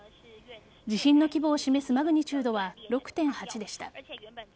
地震の規模を示すマグニチュードは６．８でした。